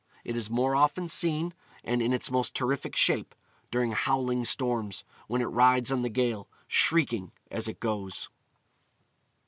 It is most often seen, and in its most terrific shape, during howling storms, when it rides on the gale, shrieking as it goes.